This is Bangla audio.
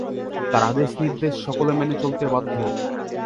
তার আদেশ নির্দেশ সকলে মেনে চলতে বাধ্য।